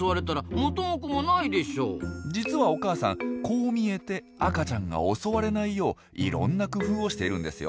実はお母さんこう見えて赤ちゃんが襲われないよういろんな工夫をしているんですよ。